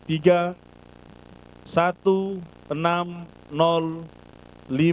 pasalan nomor urut tiga